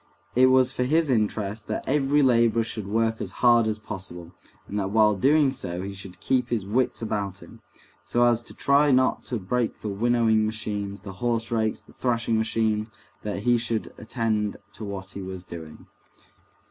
It was for his interests that every laborer should work as hard as possible, and that while doing so he should keep his wits about him, so as to try not to break the winnowing machines, the horse rakes, the thrashing machines, that he should attend to what he was doing.